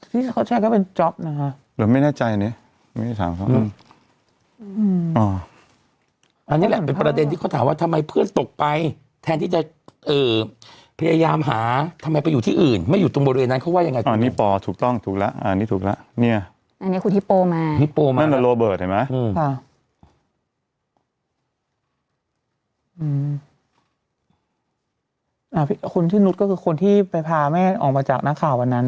ที่เขาใช้ก็เป็นจ๊อปนะคะหรือไม่แน่ใจอันเนี้ยไม่ได้ถามเขาอืมอ๋ออันนี้แหละเป็นประเด็นที่เขาถามว่าทำไมเพื่อนตกไปแทนที่จะเอ่อพยายามหาทำไมไปอยู่ที่อื่นไม่อยู่ตรงบนอื่นนั้นเขาว่ายังไงอันนี้ปอถูกต้องถูกแล้วอันนี้ถูกแล้วเนี้ยอันนี้คุณฮิปโปมาฮิปโปมานั่นน่ะโรเบิร์ตเห็นไหมอืมค่ะอืมอ่าคนท